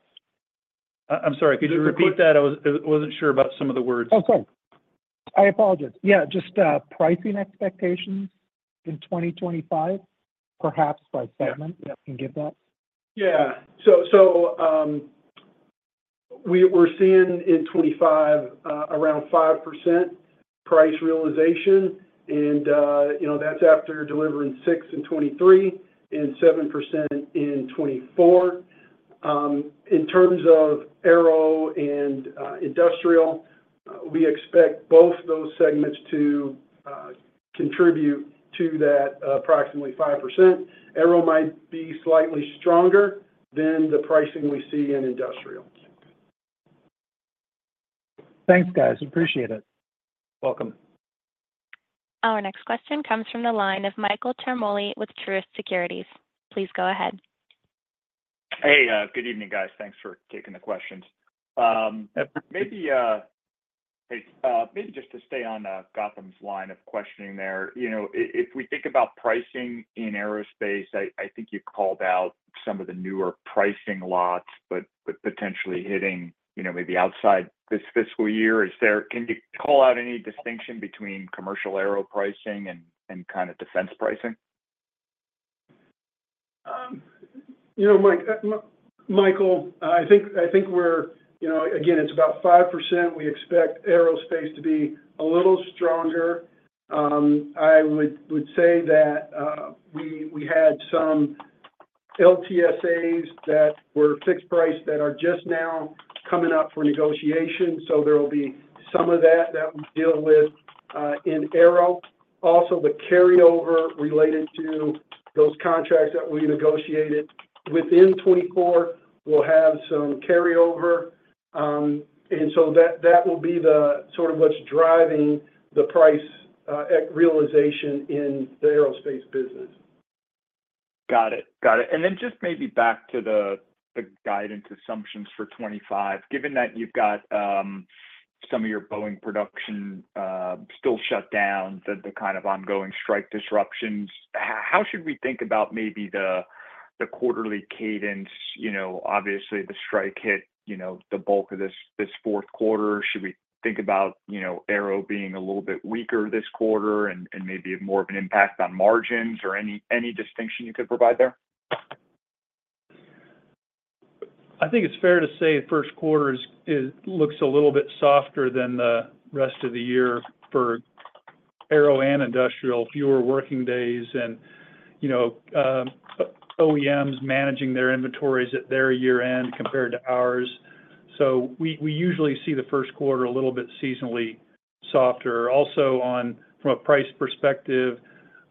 I'm sorry. Could you repeat that? I wasn't sure about some of the words. Oh, sorry. I apologize. Yeah. Just pricing expectations in 2025, perhaps by segment. Can you give that? Yeah. So we're seeing in 2025 around 5% price realization, and that's after delivering 6% in 2023 and 7% in 2024. In terms of Aero and industrial, we expect both those segments to contribute to that approximately 5%. Aero might be slightly stronger than the pricing we see in industrial. Thanks, guys. Appreciate it. Welcome. Our next question comes from the line of Michael Ciarmoli with Truist Securities. Please go ahead. Hey, good evening, guys. Thanks for taking the questions. Maybe just to stay on Gautam's line of questioning there, if we think about pricing in aerospace, I think you called out some of the newer pricing actions, but potentially hitting maybe outside this fiscal year. Can you call out any distinction between commercial aero pricing and kind of defense pricing? Michael, I think we're again. It's about 5%. We expect aerospace to be a little stronger. I would say that we had some LTSAs that were fixed price that are just now coming up for negotiation. So there will be some of that that we deal with in aero. Also, the carryover related to those contracts that we negotiated within 2024 will have some carryover. And so that will be sort of what's driving the price realization in the aerospace business. Got it. Got it. And then just maybe back to the guidance assumptions for 2025. Given that you've got some of your Boeing production still shut down, the kind of ongoing strike disruptions, how should we think about maybe the quarterly cadence? Obviously, the strike hit the bulk of this fourth quarter. Should we think about Aero being a little bit weaker this quarter and maybe more of an impact on margins or any distinction you could provide there? I think it's fair to say the first quarter looks a little bit softer than the rest of the year for Aero and industrial, fewer working days, and OEMs managing their inventories at their year-end compared to ours. So we usually see the first quarter a little bit seasonally softer. Also, from a price perspective,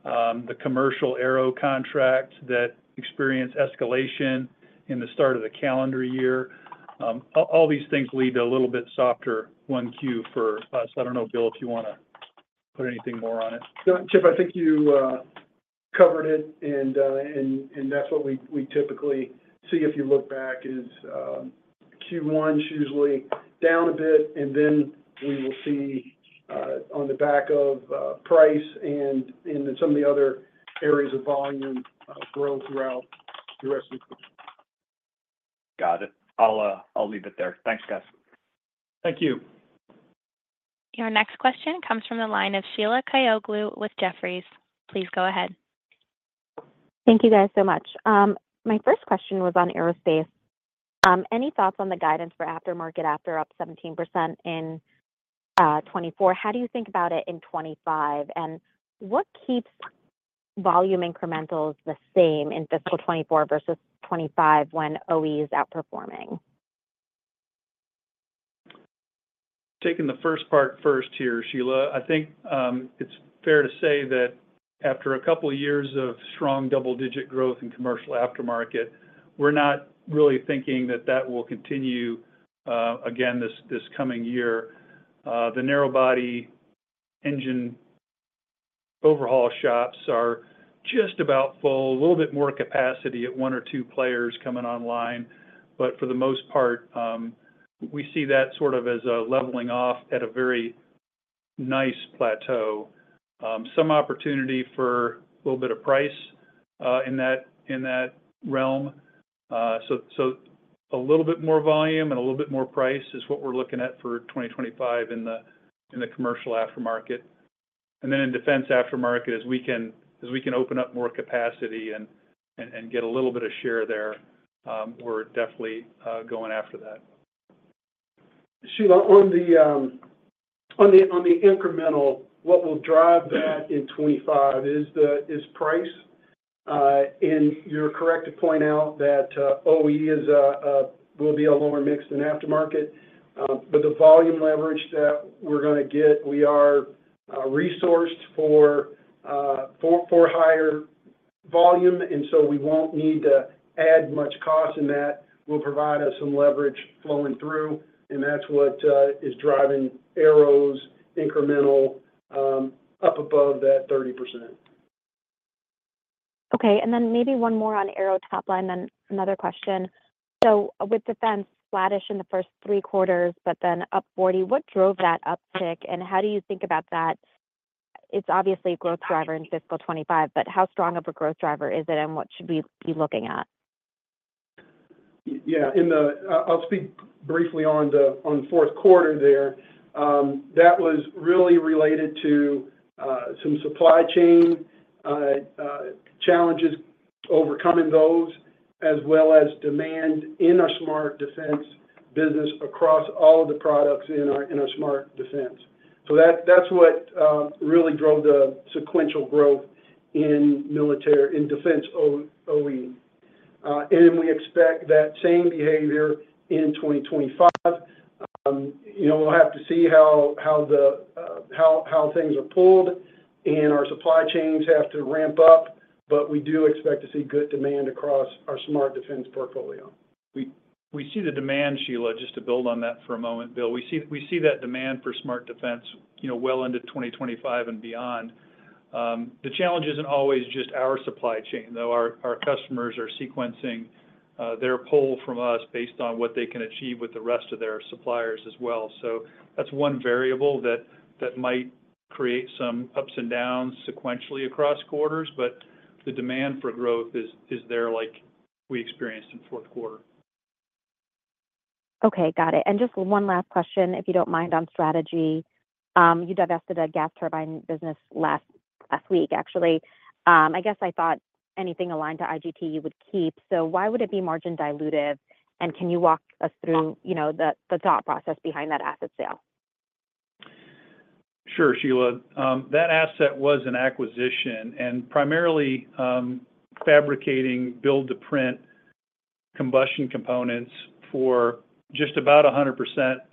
the commercial aero contracts that experience escalation in the start of the calendar year, all these things lead to a little bit softer Q1 for us. I don't know, Bill, if you want to put anything more on it. Chip, I think you covered it, and that's what we typically see if you look back, is Q1's usually down a bit, and then we will see on the back of price and in some of the other areas of volume growth throughout the rest of the year. Got it. I'll leave it there. Thanks, guys. Thank you. Your next question comes from the line of Sheila Kahyaoglu with Jefferies. Please go ahead. Thank you, guys, so much. My first question was on aerospace. Any thoughts on the guidance for aftermarket after up 17% in 2024? How do you think about it in 2025? What keeps volume incrementals the same in fiscal 2024 versus 2025 when OE is outperforming? Taking the first part first here, Sheila, I think it's fair to say that after a couple of years of strong double-digit growth in commercial aftermarket, we're not really thinking that that will continue again this coming year. The narrow-body engine overhaul shops are just about full, a little bit more capacity at one or two players coming online. But for the most part, we see that sort of as a leveling off at a very nice plateau. Some opportunity for a little bit of price in that realm. So a little bit more volume and a little bit more price is what we're looking at for 2025 in the commercial aftermarket. And then in defense aftermarket, as we can open up more capacity and get a little bit of share there, we're definitely going after that. Sheila, on the incremental, what will drive that in 2025 is price. And you're correct to point out that OE will be a lower mix than aftermarket. But the volume leverage that we're going to get, we are resourced for higher volume, and so we won't need to add much cost in that. We'll provide us some leverage flowing through, and that's what is driving Aero's incremental up above that 30%. Okay. And then maybe one more on Aero top line, then another question. So with defense, flatish in the first three quarters, but then up 40%. What drove that uptick, and how do you think about that? It's obviously a growth driver in fiscal 2025, but how strong of a growth driver is it, and what should we be looking at? Yeah. I'll speak briefly on the fourth quarter there. That was really related to some supply chain challenges, overcoming those, as well as demand in our Smart Defense business across all of the products in our Smart Defense. So that's what really drove the sequential growth in defense OE. And we expect that same behavior in 2025. We'll have to see how things are pulled, and our supply chains have to ramp up, but we do expect to see good demand across our Smart Defense portfolio. We see the demand, Sheila, just to build on that for a moment, Bill. We see that demand for Smart Defense well into 2025 and beyond. The challenge isn't always just our supply chain, though. Our customers are sequencing their pull from us based on what they can achieve with the rest of their suppliers as well. So that's one variable that might create some ups and downs sequentially across quarters, but the demand for growth is there like we experienced in fourth quarter. Okay. Got it. And just one last question, if you don't mind, on strategy. You divested a gas turbine business last week, actually. I guess I thought anything aligned to IGT you would keep. So why would it be margin dilutive, and can you walk us through the thought process behind that asset sale? Sure, Sheila. That asset was an acquisition and primarily fabricating build-to-print combustion components for just about 100%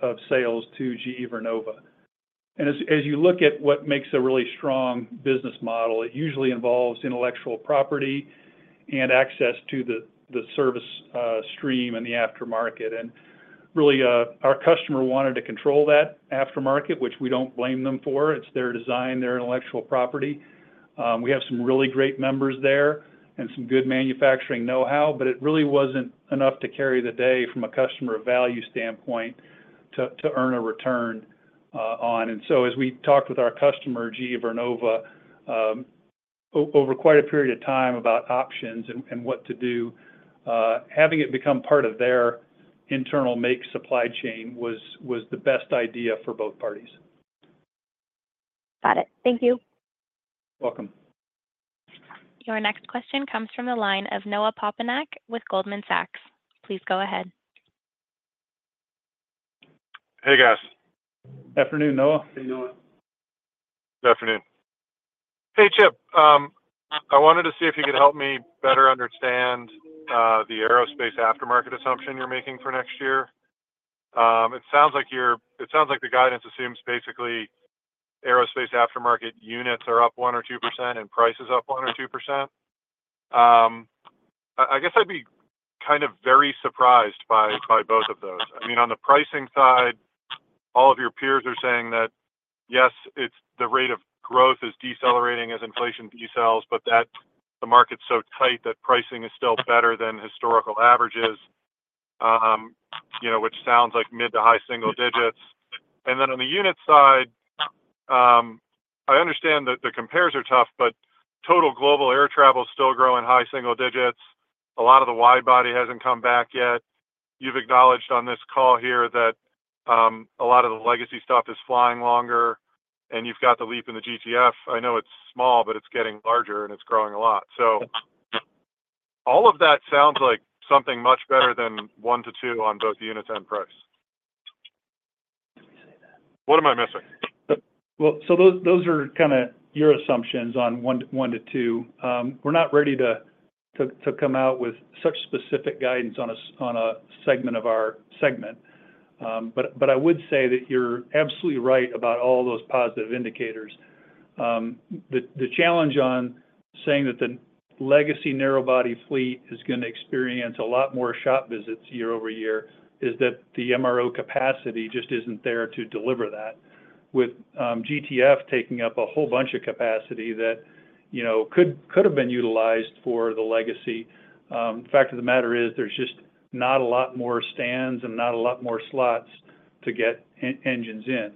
of sales to GE Vernova. And as you look at what makes a really strong business model, it usually involves intellectual property and access to the service stream and the aftermarket. And really, our customer wanted to control that aftermarket, which we don't blame them for. It's their design, their intellectual property. We have some really great members there and some good manufacturing know-how, but it really wasn't enough to carry the day from a customer value standpoint to earn a return on. And so as we talked with our customer, GE Vernova, over quite a period of time about options and what to do, having it become part of their internal make supply chain was the best idea for both parties. Got it. Thank you. Welcome. Your next question comes from the line of Noah Poponak with Goldman Sachs. Please go ahead. Hey, guys. Afternoon, Noah. Hey, Noah. Good afternoon. Hey, Chip. I wanted to see if you could help me better understand the aerospace aftermarket assumption you're making for next year. It sounds like the guidance assumes basically aerospace aftermarket units are up 1 or 2% and price is up 1 or 2%. I guess I'd be kind of very surprised by both of those. I mean, on the pricing side, all of your peers are saying that, yes, the rate of growth is decelerating as inflation decelerates, but that the market's so tight that pricing is still better than historical averages, which sounds like mid to high single digits. And then on the unit side, I understand that the compares are tough, but total global air travel is still growing high single digits. A lot of the wide body hasn't come back yet. You've acknowledged on this call here that a lot of the legacy stuff is flying longer, and you've got the LEAP and the GTF. I know it's small, but it's getting larger and it's growing a lot. So all of that sounds like something much better than one to two on both units and price. What am I missing? Well, so those are kind of your assumptions on one to two. We're not ready to come out with such specific guidance on a segment of our segment. But I would say that you're absolutely right about all those positive indicators. The challenge on saying that the legacy narrow-body fleet is going to experience a lot more shop visits year-over-year is that the MRO capacity just isn't there to deliver that, with GTF taking up a whole bunch of capacity that could have been utilized for the legacy. The fact of the matter is there's just not a lot more stands and not a lot more slots to get engines in.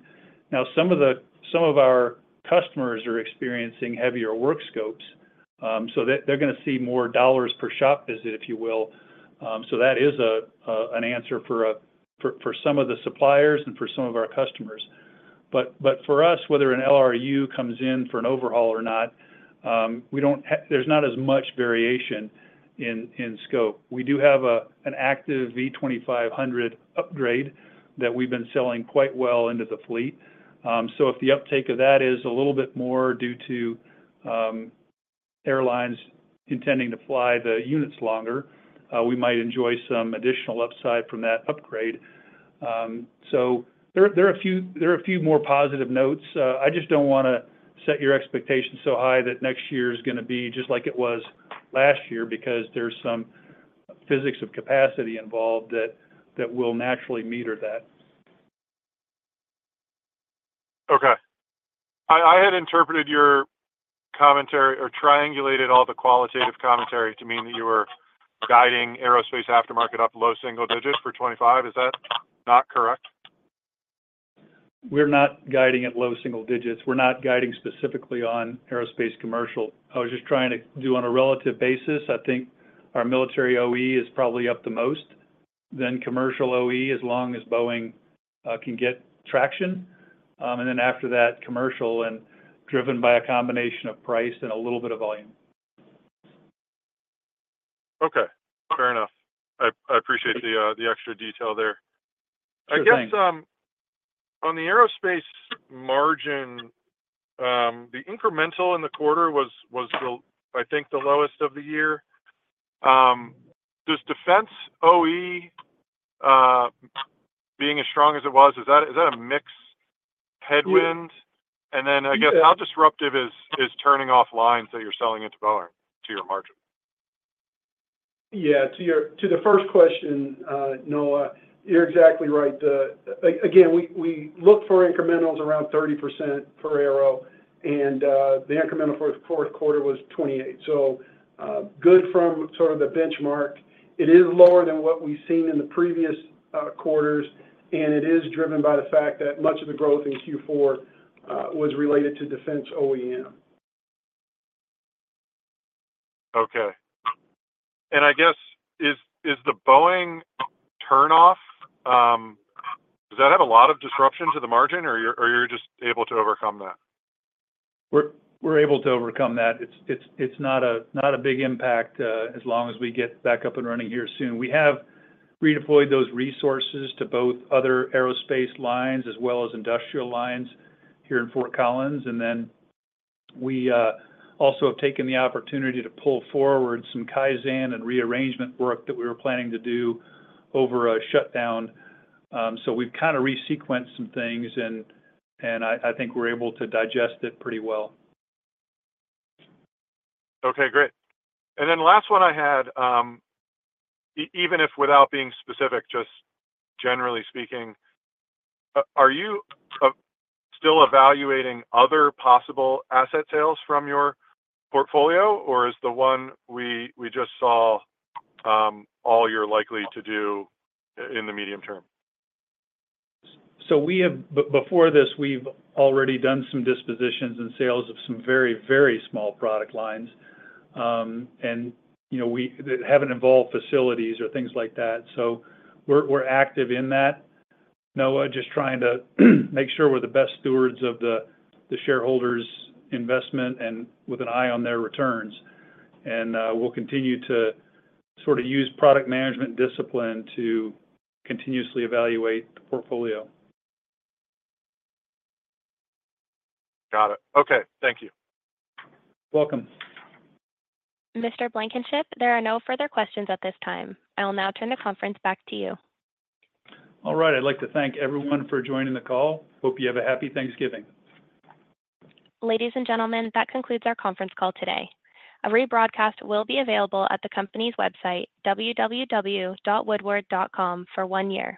Now, some of our customers are experiencing heavier work scopes, so they're going to see more dollars per shop visit, if you will. So that is an answer for some of the suppliers and for some of our customers. But for us, whether an LRU comes in for an overhaul or not, there's not as much variation in scope. We do have an active V2500 upgrade that we've been selling quite well into the fleet. So if the uptake of that is a little bit more due to airlines intending to fly the units longer, we might enjoy some additional upside from that upgrade. So there are a few more positive notes. I just don't want to set your expectations so high that next year is going to be just like it was last year because there's some physics of capacity involved that will naturally meter that. Okay. I had interpreted your commentary or triangulated all the qualitative commentary to mean that you were guiding aerospace aftermarket up low single digits for 2025. Is that not correct? We're not guiding at low single digits. We're not guiding specifically on aerospace commercial. I was just trying to do on a relative basis. I think our military OE is probably up the most, then commercial OE, as long as Boeing can get traction. And then after that, commercial and driven by a combination of price and a little bit of volume. Okay. Fair enough. I appreciate the extra detail there. I guess on the aerospace margin, the incremental in the quarter was, I think, the lowest of the year. Does defense OEM, being as strong as it was, is that a mix headwind? And then I guess how disruptive is turning off lines that you're selling into Boeing to your margin? Yeah. To the first question, Noah, you're exactly right. Again, we looked for incrementals around 30% per aero, and the incremental for the fourth quarter was 28%. So good from sort of the benchmark. It is lower than what we've seen in the previous quarters, and it is driven by the fact that much of the growth in Q4 was related to defense OEM. Okay. And I guess, is the Boeing turnoff, does that have a lot of disruption to the margin, or are you just able to overcome that? We're able to overcome that. It's not a big impact as long as we get back up and running here soon. We have redeployed those resources to both other aerospace lines as well as industrial lines here in Fort Collins. And then we also have taken the opportunity to pull forward some Kaizen and rearrangement work that we were planning to do over a shutdown. So we've kind of resequenced some things, and I think we're able to digest it pretty well. Okay. Great. And then last one I had, even if, without being specific, just generally speaking, are you still evaluating other possible asset sales from your portfolio, or is the one we just saw all you're likely to do in the medium term? So before this, we've already done some dispositions and sales of some very, very small product lines, and that haven't involved facilities or things like that. So we're active in that, Noah, just trying to make sure we're the best stewards of the shareholders' investment and with an eye on their returns, and we'll continue to sort of use product management discipline to continuously evaluate the portfolio. Got it. Okay. Thank you. Welcome. Mr. Blankenship, there are no further questions at this time. I'll now turn the conference back to you. All right. I'd like to thank everyone for joining the call. Hope you have a happy Thanksgiving. Ladies and gentlemen, that concludes our conference call today. A rebroadcast will be available at the company's website, www.woodward.com, for one year.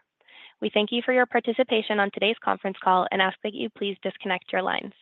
We thank you for your participation on today's conference call and ask that you please disconnect your lines.